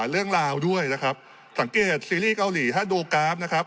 เรื่องราวด้วยนะครับสังเกตซีรีส์เกาหลีถ้าดูกราฟนะครับ